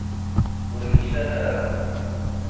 Ur yeksan ara.